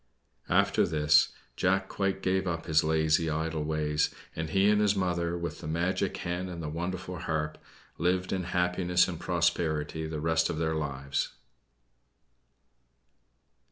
After this, Jack quite gave up his lazy, idle ways, and he and his mother, with the magic hen and the wonderful harp, lived in happiness and prosperity the rest of their lives.